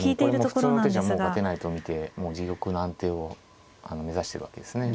普通の手じゃもう勝てないと見てもう自玉の安定を目指してるわけですね。